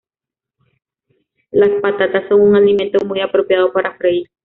Las patatas son un alimento muy apropiado para freír.